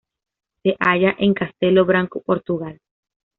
Se halla en Castelo Branco, Portugal.